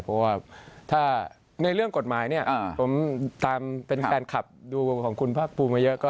เพราะว่าถ้าในเรื่องกฎหมายเนี่ยผมตามเป็นแฟนคลับดูวงของคุณภาคภูมิมาเยอะ